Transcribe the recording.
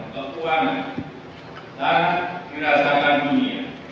kekuatan dan kirasakan dunia